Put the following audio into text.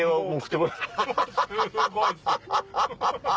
ハハハハ！